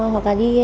hoặc là đi